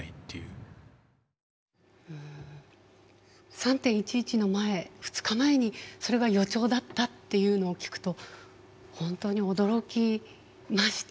３．１１の前２日前にそれが予兆だったっていうのを聞くと本当に驚きました。